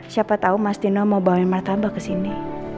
siapa tau mas tino mau bawain martabak kesini